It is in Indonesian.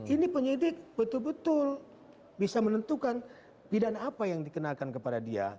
ini penyidik betul betul bisa menentukan pidana apa yang dikenakan kepada dia